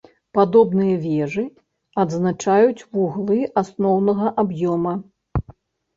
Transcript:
Падобныя вежы адзначаюць вуглы асноўнага аб'ёма.